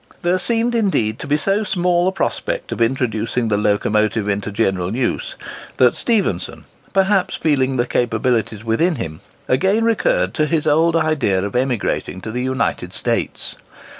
There seemed, indeed, to be so small a prospect of introducing the locomotive into general use, that Stephenson,—perhaps feeling the capabilities within him,—again recurred to his old idea of emigrating to the United States.